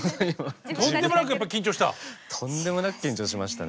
とんでもなくやっぱり緊張した？